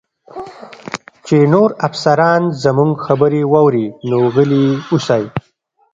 چې نور افسران زموږ خبرې واوري، نو غلي اوسئ.